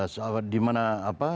soal dimana apa